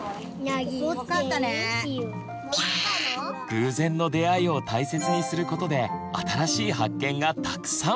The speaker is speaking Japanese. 偶然の出会いを大切にすることで新しい発見がたくさん！